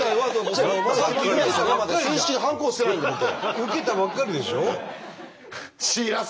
受けたばっかりでしょ。